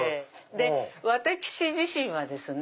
私自身はですね